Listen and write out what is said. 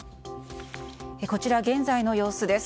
こちら、現在の様子です。